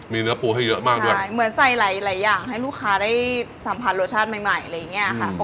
มีเนื้อปูให้เยอะมากด้วยใช่เหมือนใส่หลายหลายอย่างให้ลูกค้าได้สัมผัสรสชาติใหม่ใหม่อะไรอย่างเงี้ยค่ะ